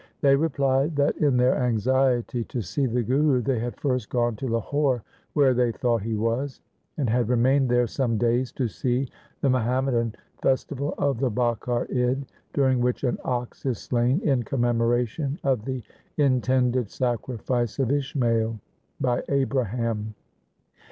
They replied that in their anxiety to see the Guru they had first gone to Lahore where they thought he was, and had re mained there some days to see the Muhammadan festival of the Baqar Id, during which an ox is slain in commemoration of the intended sacrifice of Ismail 1 by Abraham.